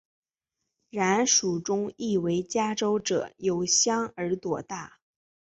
然蜀中亦为嘉州者有香而朵大。